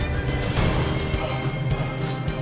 nggak ada tuduhan